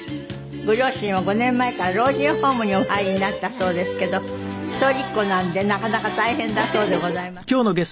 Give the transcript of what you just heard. ご両親は５年前から老人ホームにお入りになったそうですけど一人っ子なんでなかなか大変だそうでございますが。